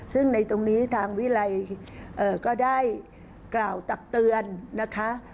ซึ่งในตรงนี้ทางวิรัยก็ได้กล่าวตักเตือนนะคะ